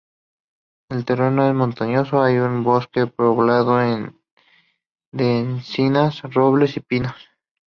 El terreno es montañoso, hay un bosque poblado de encinas, robles y pinos.